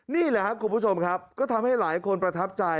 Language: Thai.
นี่แหละครับคุณผู้ชมครับก็ทำให้หลายคนประทับใจ